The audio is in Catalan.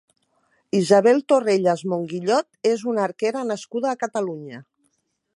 Isabel Torrellas Monguillot és una arquera nascuda a Catalunya.